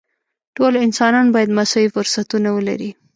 ټول انسانان باید مساوي فرصتونه ولري.